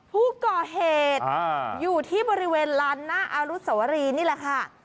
ผู้ก่อเหตุอยู่ที่บริเวณลานหน้าอารุสวรีนี่แหละค่ะ